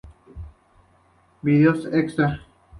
Videos Extras